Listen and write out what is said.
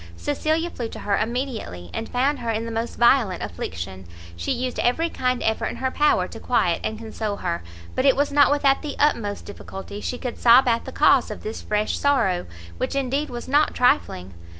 Cecilia flew to her immediately, and found her in the most violent affliction. She used every kind effort in her power to quiet and console her, but it was not without the utmost difficulty she could sob out the cause of this fresh sorrow, which indeed was not trifling.